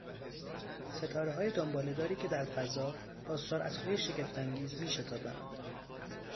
ستارههای دنبالهداری که در فضا با سرعتهای شگفتانگیز میشتابند.